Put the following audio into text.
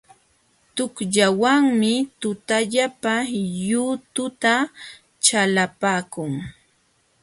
Tuqllawanmi tutallapa yututa chalapaakun.